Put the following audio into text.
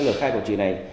lời khai của chị này